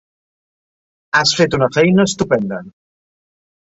Has fet una feina estupenda!